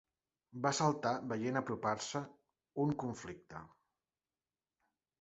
Va saltar, veient apropar-se un conflicte.